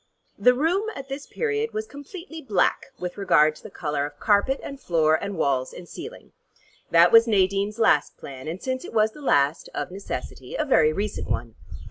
The room at this period was completely black with regard to the color of carpet and floor and walls and ceiling. That was Nadine's last plan and since it was the last, of necessity, a very recent one.